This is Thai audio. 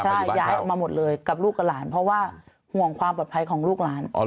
ใช่ย้ายออกมาหมดเลยกับลูกกับหลานเพราะว่าห่วงความปลอดภัยของลูกหลาน